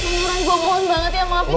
sebenernya gua mohon banget ya maafin gue